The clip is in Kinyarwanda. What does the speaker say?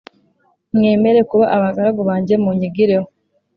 Mwemere kuba abagaragu banjye munyigireho